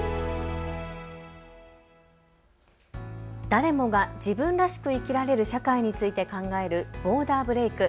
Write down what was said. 誰もが自分らしく生きられる社会について考えるボーダーブレイク。